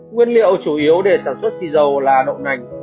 nguyên liệu chủ yếu để sản xuất xì dầu là động ngành